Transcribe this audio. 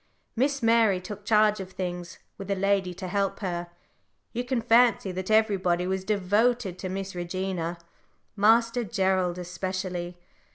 Miss Mary took charge of things with a lady to help her. You can fancy that everybody was devoted to Miss Regina, Master Gerald especially.